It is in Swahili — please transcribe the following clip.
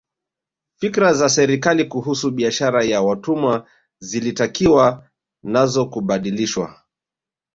Fikra za serikali kuhusu biashara ya watumwa zilitakiwa nazo kubadilishwa